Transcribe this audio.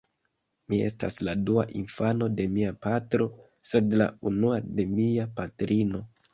Mi estas la dua infano de mia patro, sed la unua de mia patrino.